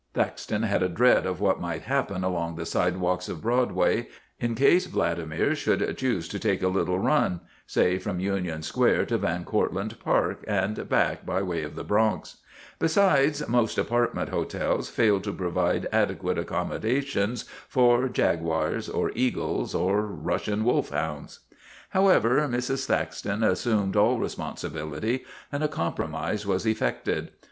Thaxton had a dread of what might happen along the sidewalks of Broad way in case Vladimir should choose to take a little run, say from Union Square to Van Cortland Park, and back by way of the Bronx. Besides, most apartment hotels fail to provide adequate accommo dations for jaguas or eagles or Russian wolfhounds. However, Mrs. Thaxton assumed all responsi bility and a compromise was effected.